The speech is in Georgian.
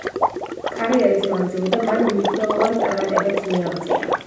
კარიერის მანძილზე მან მნიშვნელოვან წარმატებებს მიაღწია.